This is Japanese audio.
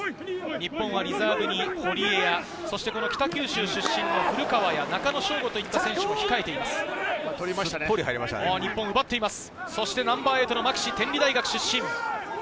日本はリザーブに堀江や、北九州出身の古川や中野将伍といった選手も控えています。